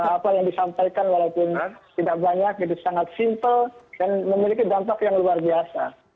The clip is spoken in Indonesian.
apa yang disampaikan walaupun tidak banyak jadi sangat simple dan memiliki dampak yang luar biasa